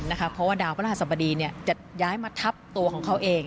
เพราะว่าดาวพระราชสบดีจะย้ายมาทับตัวของเขาเอง